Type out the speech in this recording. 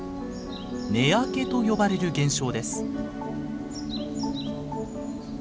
「根開け」と呼ばれる現象です。